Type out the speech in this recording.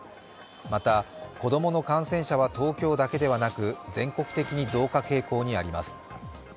また、子供の感染者は東京だけではなく全国的に増加傾向にあります。